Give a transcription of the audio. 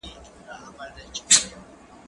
هغه څوک چي درسونه اوري پوهه زياتوي؟